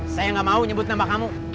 saya gak mau nyebut nama kamu